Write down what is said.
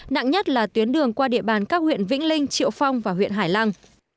nặng nhất là tuyến đường qua địa bàn các huyện vĩnh linh triệu phong và huyện hải lăng